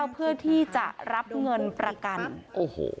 เพื่อที่จะรับเงินประกันโอ้โห